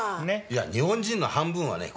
いや日本人の半分はね